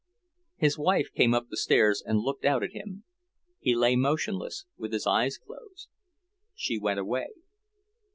His wife came up the stairs and looked out at him. He lay motionless, with his eyes closed. She went away.